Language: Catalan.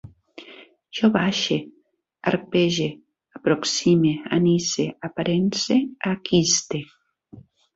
Jo baixe, arpege, aproxime, anise, aparence, aquiste